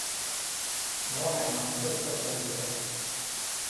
我係曼谷出世嘅